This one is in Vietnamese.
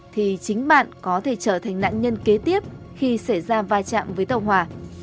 thì chính bạn có thể trở thành nạn nhân kế tiếp khi xảy ra vai trạm với tàu hòa